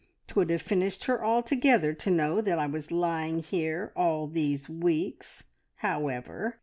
'Twould have finished her altogether to know that I was lying here all these weeks. However!"